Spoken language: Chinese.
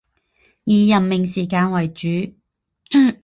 以任命时间为主